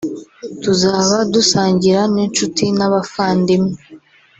tuzaba dusangira n’inshuti n’abafandimwe